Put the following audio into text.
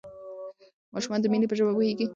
ماشومان د مینې په ژبه پوهیږي.